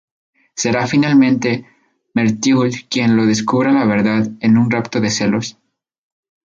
Será finalmente Merteuil quien le descubra la verdad en un rapto de celos.